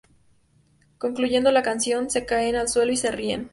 Concluyendo la canción, se caen al suelo y se ríen.